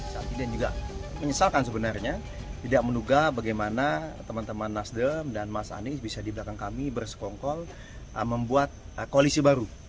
saat ini juga menyesalkan sebenarnya tidak menduga bagaimana teman teman nasdem dan mas anies bisa di belakang kami bersekongkol membuat koalisi baru